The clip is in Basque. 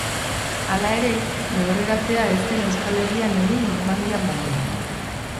Hala ere, lehorreratzea ez zen Euskal Herrian egin Normandian baino.